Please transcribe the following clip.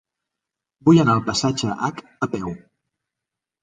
Vull anar al passatge Hac a peu.